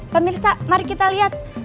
pemirsa mari kita lihat